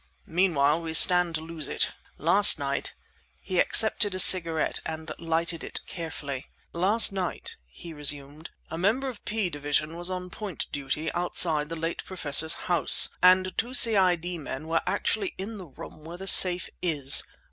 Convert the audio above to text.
Meanwhile we stand to lose it. Last night—" He accepted a cigarette, and lighted it carefully. "Last night," he resumed, "a member of P Division was on point duty outside the late Professor's house, and two C.I.D. men were actually in the room where the safe is.